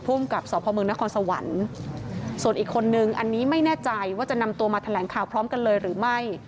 กับสพมนครสวรรค์ส่วนอีกคนนึงอันนี้ไม่แน่ใจว่าจะนำตัวมาแถลงข่าวพร้อมกันเลยหรือไม่